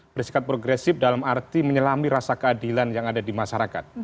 bersikap progresif dalam arti menyelami rasa keadilan yang ada di masyarakat